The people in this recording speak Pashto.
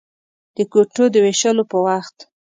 د کوټو د وېشلو په وخت.